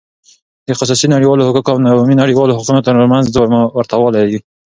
د خصوصی نړیوالو حقوقو او عمومی نړیوالو حقوقو تر منځ ورته والی :